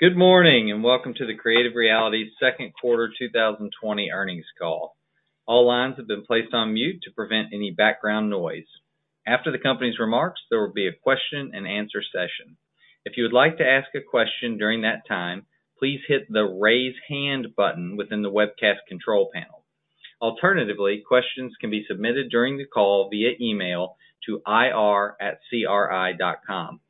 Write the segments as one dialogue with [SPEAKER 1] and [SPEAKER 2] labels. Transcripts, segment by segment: [SPEAKER 1] Good morning, and welcome to the Creative Realities second quarter 2020 earnings call. All lines have been placed on mute to prevent any background noise. After the company's remarks, there will be a question and answer session. If you would like to ask a question during that time, please hit the raise hand button within the webcast control panel. Alternatively, questions can be submitted during the call via email to ir@cri.com.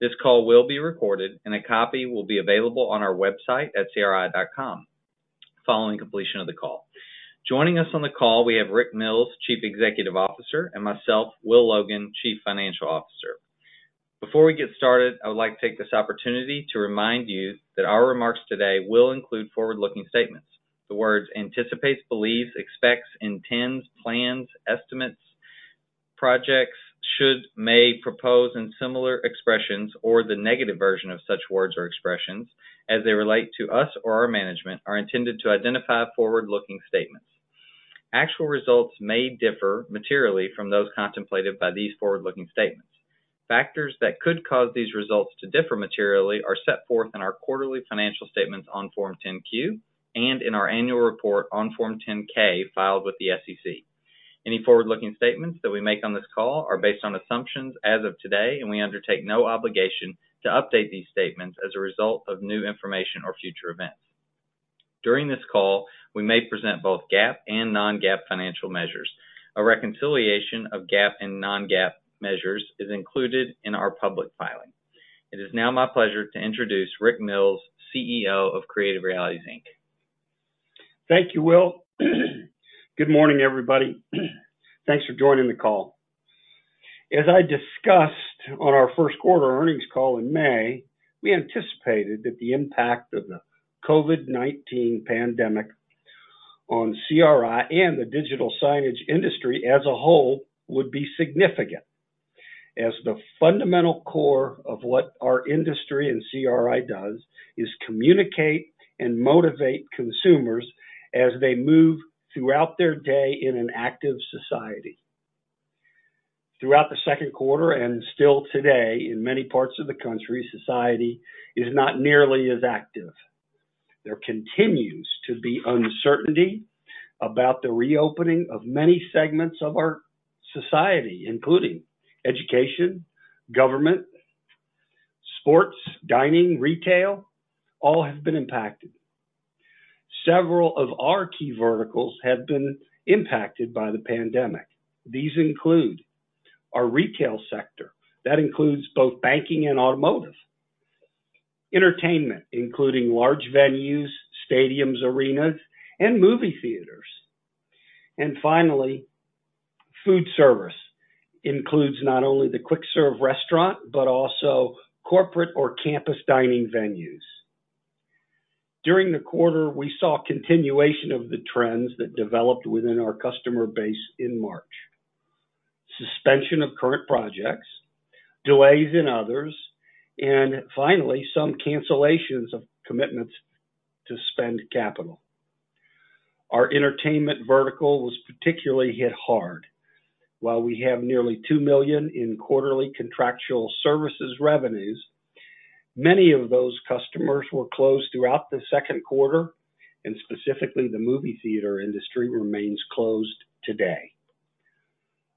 [SPEAKER 1] This call will be recorded and a copy will be available on our website at cri.com following completion of the call. Joining us on the call, we have Rick Mills, Chief Executive Officer, and myself, Will Logan, Chief Financial Officer. Before we get started, I would like to take this opportunity to remind you that our remarks today will include forward-looking statements. The words anticipates, believes, expects, intends, plans, estimates, projects, should, may, propose, and similar expressions, or the negative version of such words or expressions as they relate to us or our management, are intended to identify forward-looking statements. Actual results may differ materially from those contemplated by these forward-looking statements. Factors that could cause these results to differ materially are set forth in our quarterly financial statements on Form 10-Q and in our annual report on Form 10-K filed with the SEC. Any forward-looking statements that we make on this call are based on assumptions as of today, and we undertake no obligation to update these statements as a result of new information or future events. During this call, we may present both GAAP and non-GAAP financial measures. A reconciliation of GAAP and non-GAAP measures is included in our public filing. It is now my pleasure to introduce Rick Mills, CEO of Creative Realities, Inc.
[SPEAKER 2] Thank you, Will. Good morning, everybody. Thanks for joining the call. As I discussed on our first quarter earnings call in May, we anticipated that the impact of the COVID-19 pandemic on CRI and the digital signage industry as a whole would be significant, as the fundamental core of what our industry and CRI does is communicate and motivate consumers as they move throughout their day in an active society. Throughout the second quarter and still today in many parts of the country, society is not nearly as active. There continues to be uncertainty about the reopening of many segments of our society, including education, government, sports, dining, retail, all have been impacted. Several of our key verticals have been impacted by the pandemic. These include our retail sector. That includes both banking and automotive. Entertainment, including large venues, stadiums, arenas, and movie theaters. Finally, food service includes not only the quick serve restaurant, but also corporate or campus dining venues. During the quarter, we saw continuation of the trends that developed within our customer base in March. Suspension of current projects, delays in others, and finally, some cancellations of commitments to spend capital. Our entertainment vertical was particularly hit hard. While we have nearly $2 million in quarterly contractual services revenues, many of those customers were closed throughout the second quarter, and specifically, the movie theater industry remains closed today.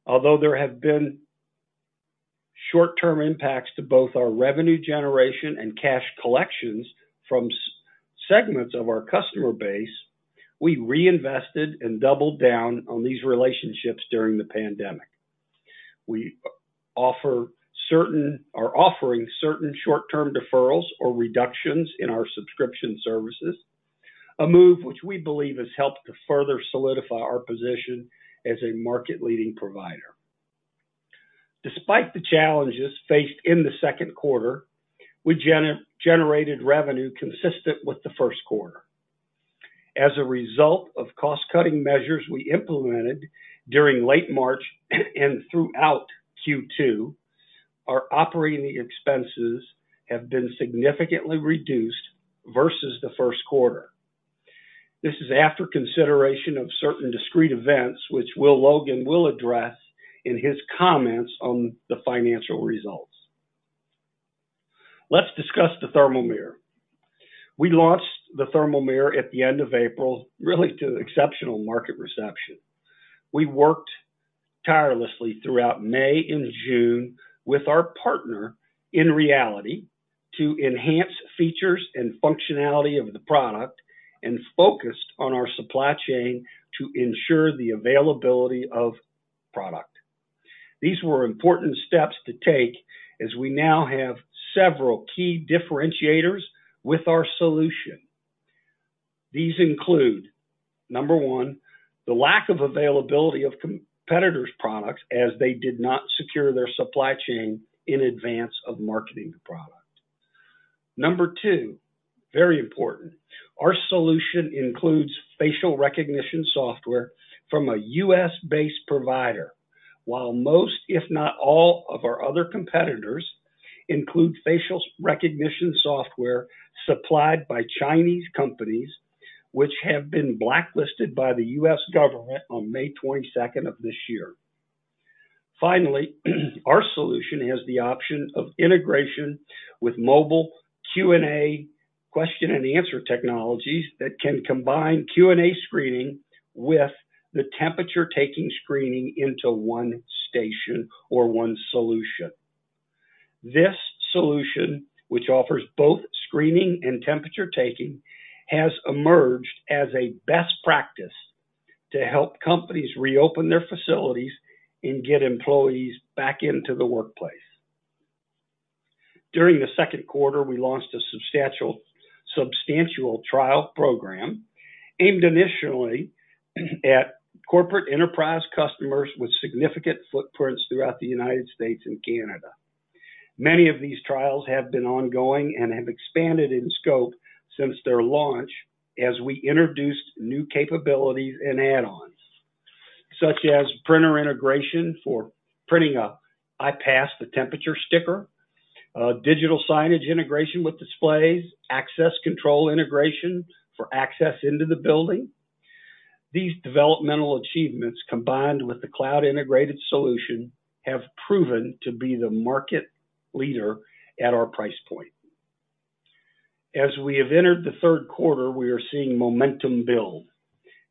[SPEAKER 2] Although there have been short-term impacts to both our revenue generation and cash collections from segments of our customer base, we reinvested and doubled down on these relationships during the pandemic. We are offering certain short-term deferrals or reductions in our subscription services, a move which we believe has helped to further solidify our position as a market leading provider. Despite the challenges faced in the second quarter, we generated revenue consistent with the first quarter. As a result of cost-cutting measures we implemented during late March and throughout Q2, our operating expenses have been significantly reduced versus the first quarter. This is after consideration of certain discrete events which Will Logan will address in his comments on the financial results. Let's discuss the Thermal Mirror. We launched the Thermal Mirror at the end of April, really to exceptional market reception. We worked tirelessly throughout May and June with our partner InReality to enhance features and functionality of the product and focused on our supply chain to ensure the availability of product. These were important steps to take as we now have several key differentiators with our solution. These include, number one, the lack of availability of competitors' products as they did not secure their supply chain in advance of marketing the product. Number two, very important, our solution includes facial recognition software from a US-based provider. While most, if not all, of our other competitors include facial recognition software supplied by Chinese companies, which have been blacklisted by the U.S., government on May 22nd of this year. Finally, our solution has the option of integration with mobile Q&A, question and answer technologies that can combine Q&A screening with the temperature taking screening into one station or one solution. This solution, which offers both screening and temperature taking, has emerged as a best practice to help companies reopen their facilities and get employees back into the workplace. During the second quarter, we launched a substantial trial program aimed initially at corporate enterprise customers with significant footprints throughout the United States and Canada. Many of these trials have been ongoing and have expanded in scope since their launch as we introduced new capabilities and add-ons, such as printer integration for printing a "I passed the temperature" sticker, digital signage integration with displays, access control integration for access into the building. These developmental achievements, combined with the cloud-integrated solution, have proven to be the market leader at our price point. As we have entered the third quarter, we are seeing momentum build.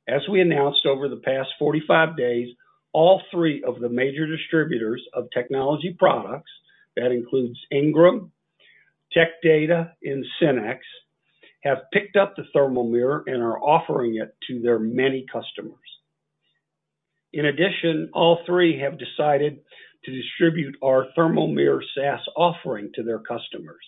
[SPEAKER 2] As we announced over the past 45 days, all three of the major distributors of technology products, that includes Ingram, Tech Data, and SYNNEX, have picked up the Thermal Mirror and are offering it to their many customers. In addition, all three have decided to distribute our Thermal Mirror SaaS offering to their customers.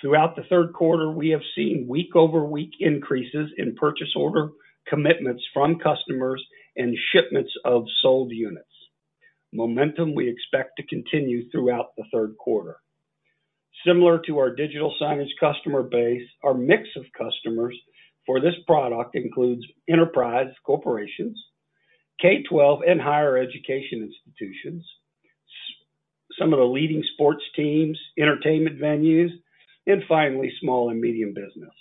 [SPEAKER 2] Throughout the third quarter, we have seen week-over-week increases in purchase order commitments from customers and shipments of sold units. Momentum we expect to continue throughout the third quarter. Similar to our digital signage customer base, our mix of customers for this product includes enterprise corporations, K12, and higher education institutions, some of the leading sports teams, entertainment venues, and finally, small and medium business.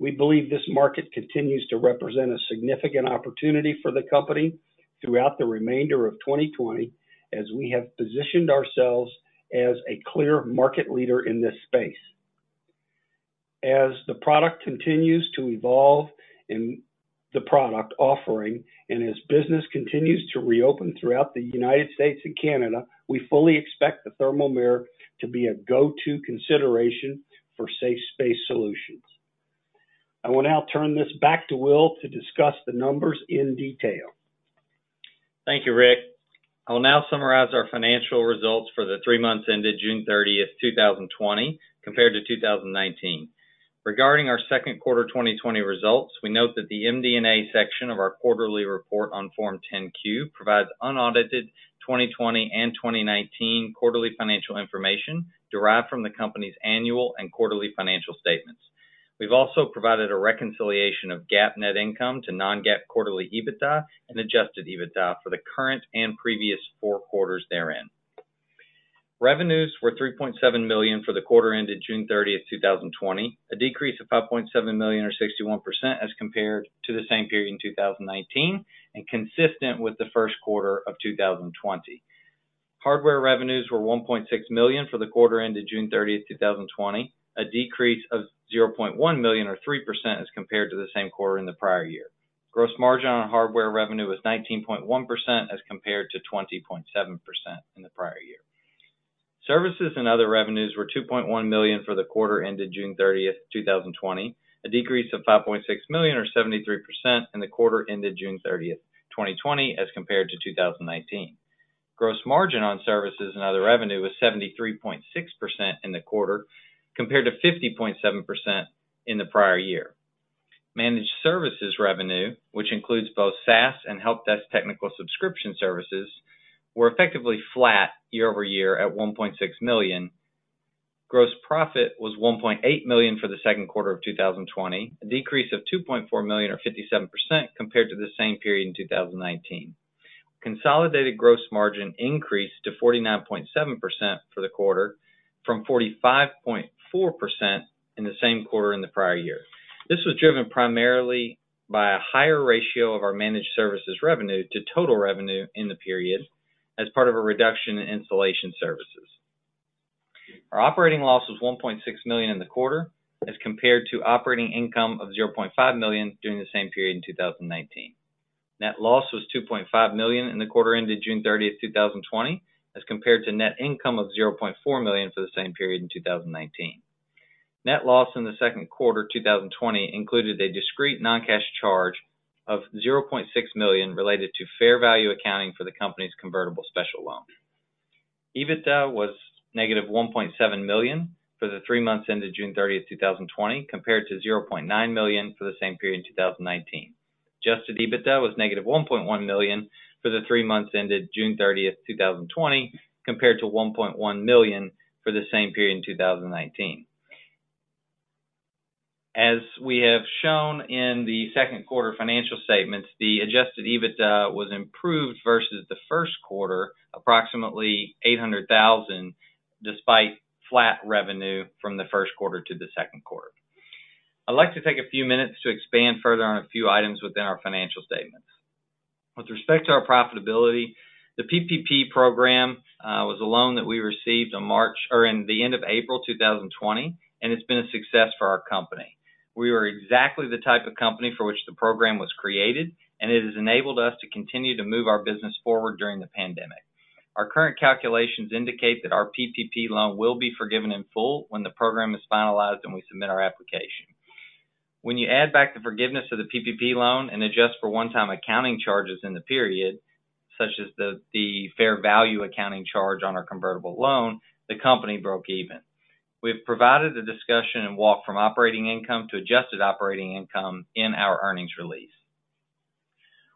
[SPEAKER 2] We believe this market continues to represent a significant opportunity for the company throughout the remainder of 2020, as we have positioned ourselves as a clear market leader in this space. As the product continues to evolve in the product offering and as business continues to reopen throughout the U.S., and Canada, we fully expect the Thermal Mirror to be a go-to consideration for safe space solutions. I will now turn this back to Will to discuss the numbers in detail.
[SPEAKER 1] Thank you, Rick. I will now summarize our financial results for the three months ended June 30th, 2020, compared to 2019. Regarding our second quarter 2020 results, we note that the MD&A section of our quarterly report on Form 10-Q provides unaudited 2020 and 2019 quarterly financial information derived from the company's annual and quarterly financial statements. We've also provided a reconciliation of GAAP net income to non-GAAP quarterly EBITDA and adjusted EBITDA for the current and previous four quarters therein. Revenues were $3.7 million for the quarter ended June 30th, 2020, a decrease of $5.7 million or 61% as compared to the same period in 2019, consistent with the first quarter of 2020. Hardware revenues were $1.6 million for the quarter ended June 30th, 2020, a decrease of $0.1 million or 3% as compared to the same quarter in the prior year. Gross margin on hardware revenue was 19.1% as compared to 20.7% in the prior year. Services and other revenues were $2.1 million for the quarter ended June 30th, 2020, a decrease of $5.6 million or 73% in the quarter ended June 30th, 2020 as compared to 2019. Gross margin on services and other revenue was 73.6% in the quarter, compared to 50.7% in the prior year. Managed services revenue, which includes both SaaS and help desk technical subscription services, were effectively flat year-over-year at $1.6 million. Gross profit was $1.8 million for the second quarter of 2020, a decrease of $2.4 million or 57% compared to the same period in 2019. Consolidated gross margin increased to 49.7% for the quarter from 45.4% in the same quarter in the prior year. This was driven primarily by a higher ratio of our managed services revenue to total revenue in the period as part of a reduction in installation services. Our operating loss was $1.6 million in the quarter as compared to operating income of $0.5 million during the same period in 2019. Net loss was $2.5 million in the quarter ended June 30th, 2020, as compared to net income of $0.4 million for the same period in 2019. Net loss in the second quarter 2020 included a discrete non-cash charge of $0.6 million related to fair value accounting for the company's convertible special note. EBITDA was negative $1.7 million for the three months ended June 30th, 2020, compared to $0.9 million for the same period in 2019. Adjusted EBITDA was negative $1.1 million for the three months ended June 30th, 2020, compared to $1.1 million for the same period in 2019. As we have shown in the second quarter financial statements, the adjusted EBITDA was improved versus the first quarter, approximately $800,000, despite flat revenue from the first quarter to the second quarter. I'd like to take a few minutes to expand further on a few items within our financial statements. With respect to our profitability, the PPP program was a loan that we received in the end of April 2020, and it's been a success for our company. We were exactly the type of company for which the program was created, and it has enabled us to continue to move our business forward during the pandemic. Our current calculations indicate that our PPP loan will be forgiven in full when the program is finalized and we submit our application. When you add back the forgiveness of the PPP loan and adjust for one-time accounting charges in the period, such as the fair value accounting charge on our convertible loan, the company broke even. We have provided a discussion and walk from operating income to adjusted operating income in our earnings release.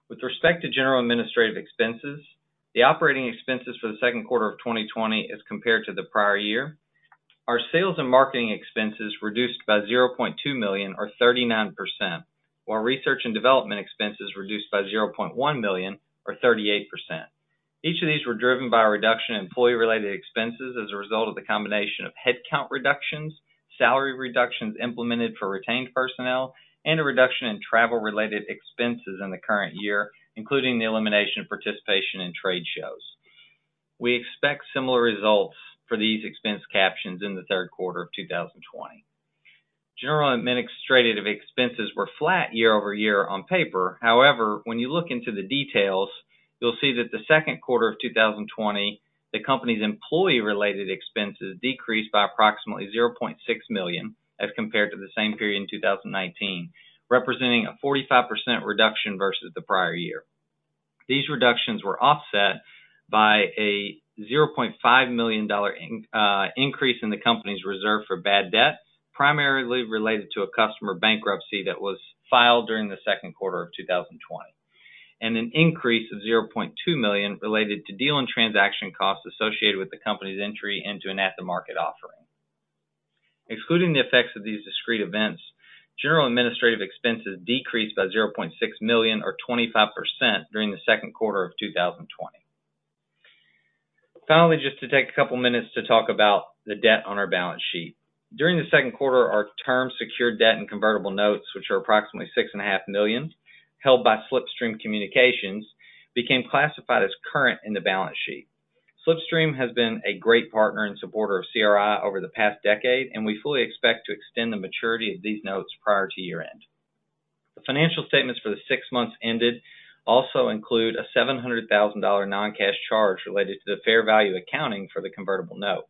[SPEAKER 1] With respect to general administrative expenses, the operating expenses for the second quarter of 2020 as compared to the prior year, our sales and marketing expenses reduced by $0.2 million or 39%, while research and development expenses reduced by $0.1 million or 38%. Each of these were driven by a reduction in employee-related expenses as a result of the combination of headcount reductions, salary reductions implemented for retained personnel, and a reduction in travel-related expenses in the current year, including the elimination of participation in trade shows. We expect similar results for these expense captions in the third quarter of 2020. General administrative expenses were flat year-over-year on paper. However, when you look into the details, you'll see that the second quarter of 2020, the company's employee-related expenses decreased by approximately $0.6 million as compared to the same period in 2019, representing a 45% reduction versus the prior year. These reductions were offset by a $0.5 million increase in the company's reserve for bad debt, primarily related to a customer bankruptcy that was filed during the second quarter of 2020, and an increase of $0.2 million related to deal and transaction costs associated with the company's entry into an at-the-market offering. Excluding the effects of these discrete events, general administrative expenses decreased by $0.6 million or 25% during the second quarter of 2020. Finally, just to take a couple minutes to talk about the debt on our balance sheet. During the second quarter, our term secured debt and convertible notes, which are approximately $6.5 million held by Slipstream Communications, became classified as current in the balance sheet. Slipstream has been a great partner and supporter of CRI over the past decade. We fully expect to extend the maturity of these notes prior to year-end. The financial statements for the six months ended also include a $700,000 non-cash charge related to the fair value accounting for the convertible note.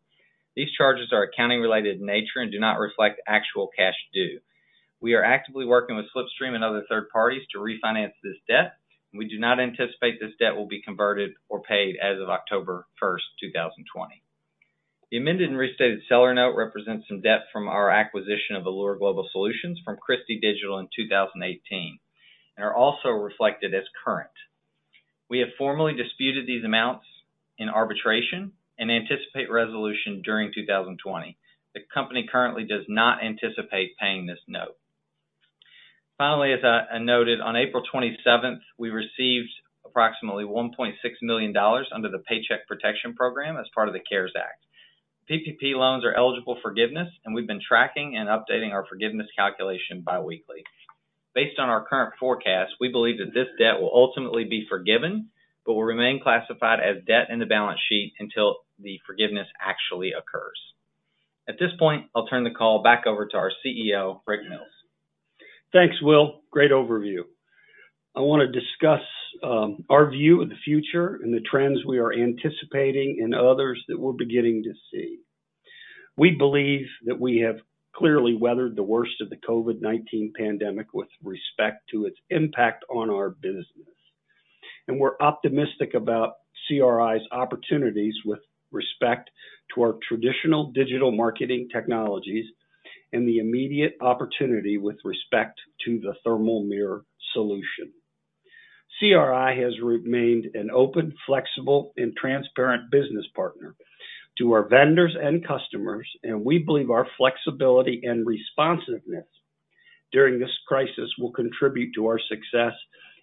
[SPEAKER 1] These charges are accounting related in nature and do not reflect actual cash due. We are actively working with Slipstream and other third parties to refinance this debt. We do not anticipate this debt will be converted or paid as of October 1st, 2020. The amended and restated seller note represents some debt from our acquisition of Allure Global Solutions from Christie Digital in 2018 and are also reflected as current. We have formally disputed these amounts in arbitration and anticipate resolution during 2020. The company currently does not anticipate paying this note. Finally, as I noted on April 27th, we received approximately $1.6 million under the Paycheck Protection Program as part of the CARES Act. PPP loans are eligible forgiveness, and we've been tracking and updating our forgiveness calculation biweekly. Based on our current forecast, we believe that this debt will ultimately be forgiven but will remain classified as debt in the balance sheet until the forgiveness actually occurs. At this point, I'll turn the call back over to our CEO, Rick Mills.
[SPEAKER 2] Thanks, Will. Great overview. I want to discuss our view of the future and the trends we are anticipating and others that we're beginning to see. We believe that we have clearly weathered the worst of the COVID-19 pandemic with respect to its impact on our business. We're optimistic about CRI's opportunities with respect to our traditional digital marketing technologies and the immediate opportunity with respect to the Thermal Mirror solution. CRI has remained an open, flexible, and transparent business partner to our vendors and customers, and we believe our flexibility and responsiveness during this crisis will contribute to our success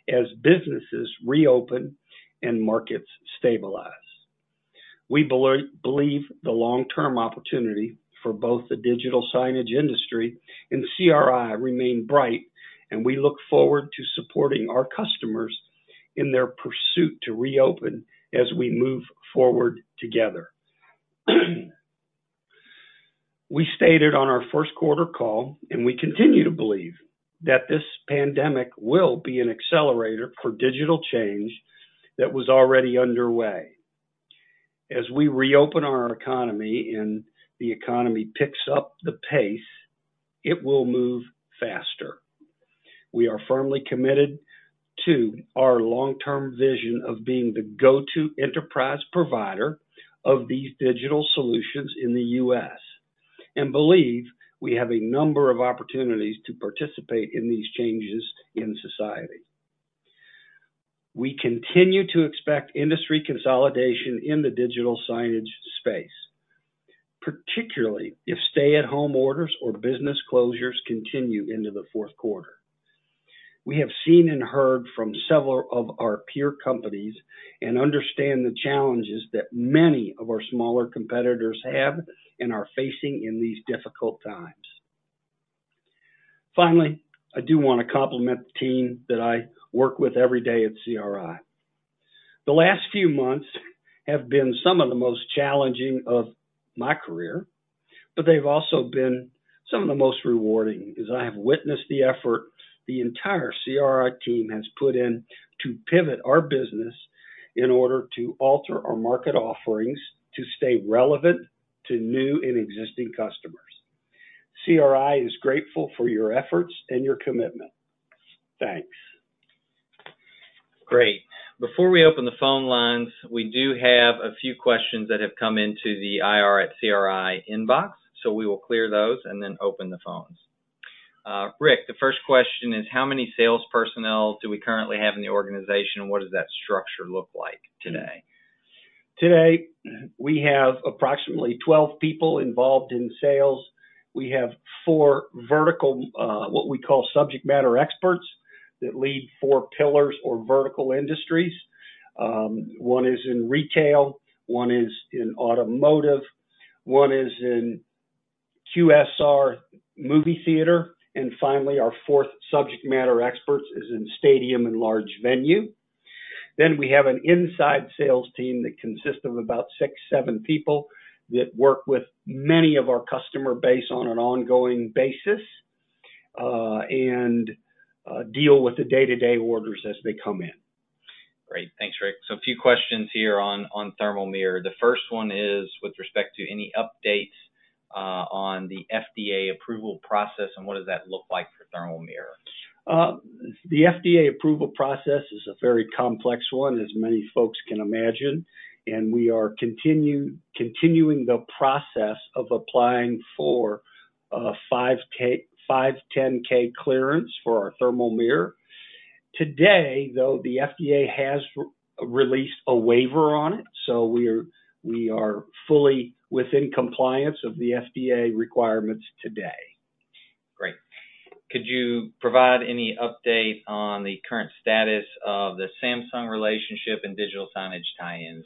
[SPEAKER 2] as businesses reopen and markets stabilize. We believe the long-term opportunity for both the digital signage industry and CRI remain bright, and we look forward to supporting our customers in their pursuit to reopen as we move forward together. We stated on our first quarter call, and we continue to believe that this pandemic will be an accelerator for digital change that was already underway. As we reopen our economy and the economy picks up the pace, it will move faster. We are firmly committed to our long-term vision of being the go-to enterprise provider of these digital solutions in the U.S., and believe we have a number of opportunities to participate in these changes in society. We continue to expect industry consolidation in the digital signage space, particularly if stay-at-home orders or business closures continue into the fourth quarter. We have seen and heard from several of our peer companies and understand the challenges that many of our smaller competitors have and are facing in these difficult times. Finally, I do want to compliment the team that I work with every day at CRI. The last few months have been some of the most challenging of my career, but they've also been some of the most rewarding, as I have witnessed the effort the entire CRI team has put in to pivot our business in order to alter our market offerings to stay relevant to new and existing customers. CRI is grateful for your efforts and your commitment. Thanks.
[SPEAKER 1] Great. Before we open the phone lines, we do have a few questions that have come into the IR at CRI inbox, so we will clear those and then open the phones. Rick, the first question is how many sales personnel do we currently have in the organization, and what does that structure look like today?
[SPEAKER 2] Today, we have approximately 12 people involved in sales. We have four vertical, what we call subject matter experts, that lead four pillars or vertical industries. One is in retail, one is in automotive, one is in QSR movie theater, and finally, our fourth subject matter expert is in stadium and large venue. We have an inside sales team that consists of about six, seven people that work with many of our customer base on an ongoing basis, and deal with the day-to-day orders as they come in.
[SPEAKER 1] Great. Thanks, Rick. A few questions here on Thermal Mirror. The first one is with respect to any updates on the FDA approval process and what does that look like for Thermal Mirror?
[SPEAKER 2] The FDA approval process is a very complex one, as many folks can imagine. We are continuing the process of applying for a 510(k) clearance for our Thermal Mirror. Today, though, the FDA has released a waiver on it. We are fully within compliance of the FDA requirements today.
[SPEAKER 1] Great. Could you provide any update on the current status of the Samsung relationship and digital signage tie-ins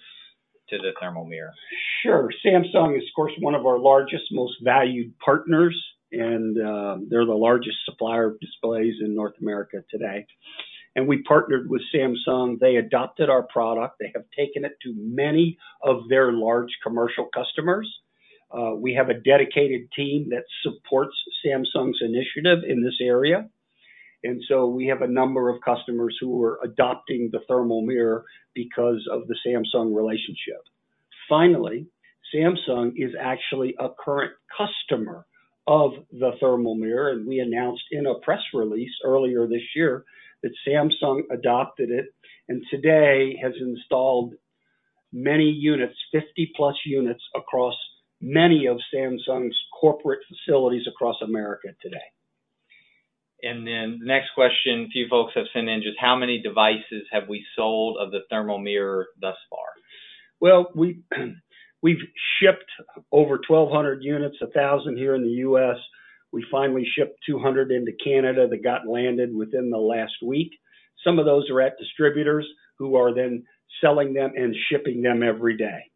[SPEAKER 1] to the Thermal Mirror?
[SPEAKER 2] Sure. Samsung is, of course, one of our largest, most valued partners. They're the largest supplier of displays in North America today. We partnered with Samsung. They adopted our product. They have taken it to many of their large commercial customers. We have a dedicated team that supports Samsung's initiative in this area. We have a number of customers who are adopting the Thermal Mirror because of the Samsung relationship. Finally, Samsung is actually a current customer of the Thermal Mirror, and we announced in a press release earlier this year that Samsung adopted it and today has installed many units, 50+ units, across many of Samsung's corporate facilities across America today.
[SPEAKER 1] The next question a few folks have sent in, just how many devices have we sold of the Thermal Mirror thus far?
[SPEAKER 2] Well, we've shipped over 1,200 units, 1,000 here in the U.S.,. We finally shipped 200 into Canada that got landed within the last week. Some of those are at distributors who are then selling them and shipping them every day.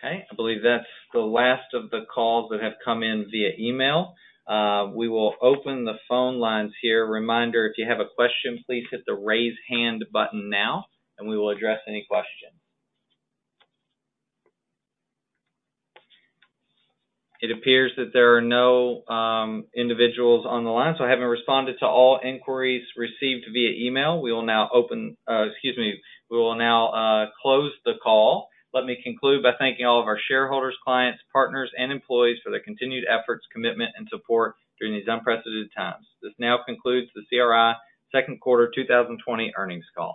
[SPEAKER 1] Okay. I believe that's the last of the calls that have come in via email. We will open the phone lines here. Reminder, if you have a question, please hit the Raise Hand button now, and we will address any questions. It appears that there are no individuals on the line, so having responded to all inquiries received via email, we will now close the call. Let me conclude by thanking all of our shareholders, clients, partners, and employees for their continued efforts, commitment, and support during these unprecedented times. This now concludes the CRI second quarter 2020 earnings call.